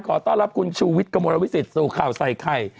ขอต้อนรับคุณชูวิทย์กระมวลวิสิตสู่ข่าวใส่ไข่